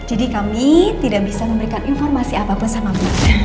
jadi kami tidak bisa memberikan informasi apapun sama mbak